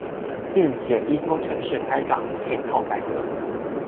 并且依托城市开展配套改革。